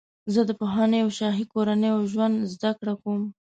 زه د پخوانیو شاهي کورنیو ژوند زدهکړه کوم.